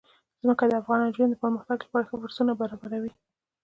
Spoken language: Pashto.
ځمکه د افغان نجونو د پرمختګ لپاره ښه فرصتونه برابروي.